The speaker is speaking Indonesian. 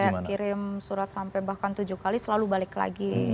ya kirim surat sampai bahkan tujuh kali selalu balik lagi